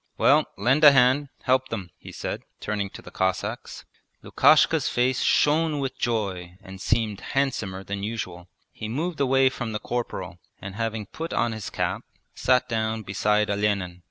Well, lend a hand, help them,' he said, turning to the Cossacks. Lukashka's face shone with joy and seemed handsomer than usual. He moved away from the corporal, and having put on his cap sat down beside Olenin.